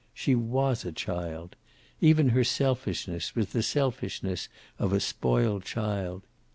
She was a child. Even her selfishness was the selfishness of a spoiled child.